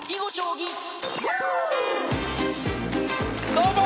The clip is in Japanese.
どうも！